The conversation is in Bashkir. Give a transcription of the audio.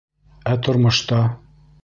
Ә тормошта...